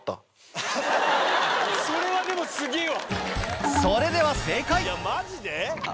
それはでもすげぇわ！